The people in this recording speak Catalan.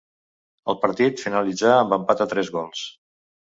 El partit finalitzà amb empat a tres gols.